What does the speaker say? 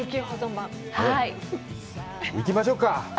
行きましょうか？